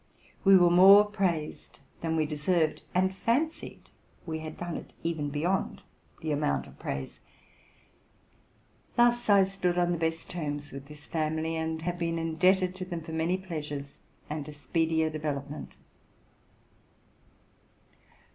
We were more praised than we deserved, and fancied we had done it even beyond the amount of praise. Thus I stood on the best terms with this family, and have been indebted to them for many pleasures and a speedier development.